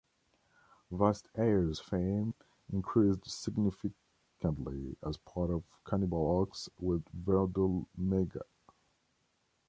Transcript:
Vast Aire's fame increased significantly as part of Cannibal Ox with Vordul Mega.